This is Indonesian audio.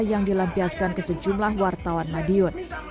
yang dilampiaskan ke sejumlah wartawan madiun